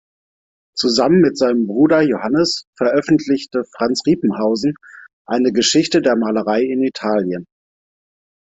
Zusammen mit seinem Bruder Johannes veröffentlichte Franz Riepenhausen eine „Geschichte der Malerei in Italien“.